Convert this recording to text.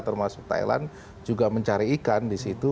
termasuk thailand juga mencari ikan disitu